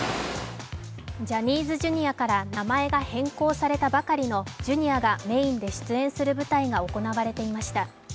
ジャニーズＪｒ．から名前が変更されたばかりのＪｒ．がメインで出演する舞台が行われていました。